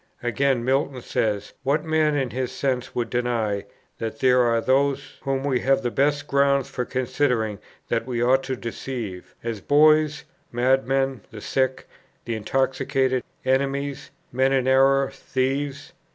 Again, Milton says: "What man in his senses would deny, that there are those whom we have the best grounds for considering that we ought to deceive, as boys, madmen, the sick, the intoxicated, enemies, men in error, thieves?